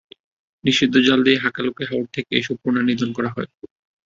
নিষিদ্ধ জাল দিয়ে হাকালুকি হাওর থেকে এসব পোনা নিধন করা হয়।